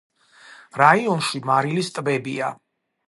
რაიონში მარილის ტბებია.